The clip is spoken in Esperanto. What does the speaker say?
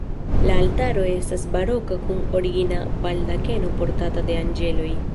La altaro estas baroka kun origina baldakeno portata de anĝeloj.